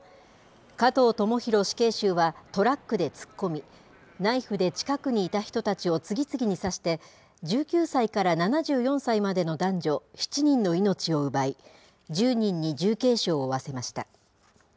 加藤智大死刑囚はトラックで突っ込み、ナイフで近くにいた人たちを次々に刺して、１９歳から７４歳までの男女７人の命を奪い、１０人に重軽傷を負わせました。